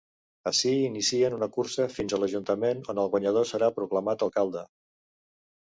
Ací inicien una cursa fins a l'Ajuntament on el guanyador serà proclamat alcalde.